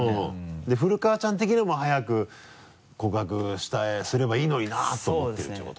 古川ちゃん的にはもう早く告白すればいいのになって思ってるっていうこと？